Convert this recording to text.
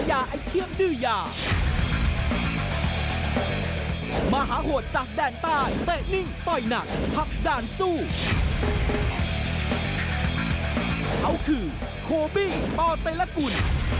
เขาคือโคบิปเปรกุ่น